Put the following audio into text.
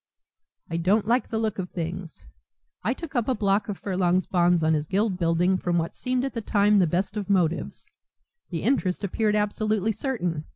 "I don't like the look of things. I took up a block of Furlong's bonds on his Guild building from what seemed at the time the best of motives. The interest appeared absolutely certain.